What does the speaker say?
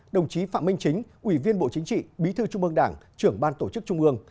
đồng chí phạm minh chính ủy viên bộ chính trị bí thư trung ương đảng trưởng ban tổ chức trung ương